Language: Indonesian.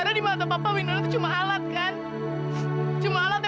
sampai jumpa di video selanjutnya